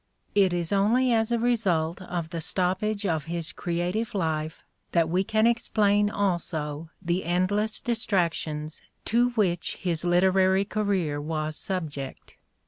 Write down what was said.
It is only as a result of the stoppage of his creative life that we can explain also the endless distractions to which his literary career was subject.